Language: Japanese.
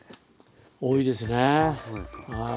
多いですねはい。